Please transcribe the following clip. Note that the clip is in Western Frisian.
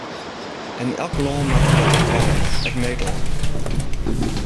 En elk lân moat der wat oan dwaan, ek Nederlân.